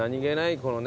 このね